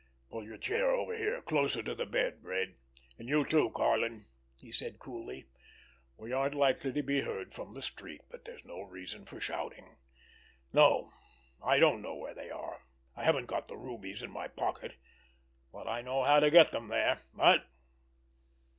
"Pull your chair over here, closer to the bed, Red—and you, too, Karlin," he said coolly. "We aren't likely to be heard from the street, but that's no reason for shouting. No; I don't know where they are, I haven't got the rubies in my pocket—but I know how to get them there. What?"